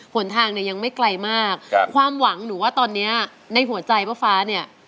ผลทางยังไม่ไกลมากความหวังหนูว่าตอนนี้ในหัวใจป้าฟ้านี่